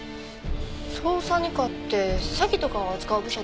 捜査二課って詐欺とかを扱う部署ですよね？